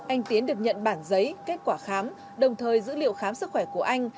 anh tiến được nhận bản giấy kết quả khám đồng thời dữ liệu khám sức khỏe của anh